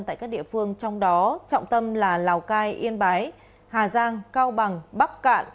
tại các địa phương trong đó trọng tâm là lào cai yên bái hà giang cao bằng bắc cạn